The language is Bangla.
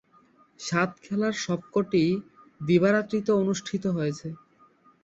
সাত খেলার সবকটিই দিবা/রাত্রিতে অনুষ্ঠিত হয়েছে।